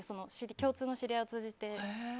共通の知り合いを通じて。